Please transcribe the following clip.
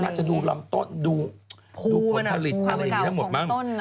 น่าจะดูลำต้นดูผลผลิตภารกิจทั้งหมดบ้าง